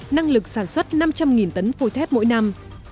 năng lực sản xuất năm trăm linh tấn phôi thép mỗi năm